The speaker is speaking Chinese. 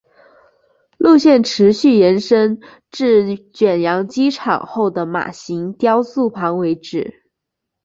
路线持续延伸至卷扬机后的马型雕塑旁为止。